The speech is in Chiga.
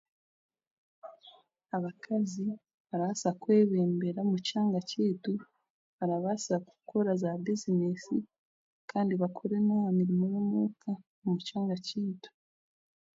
Abakazi barabaasa kw'ereeberera omu kyanga kyaitu, barabaasa kukora zaabizineesi kandi bakore n'amirimo y'eka omu kyanga kyaitu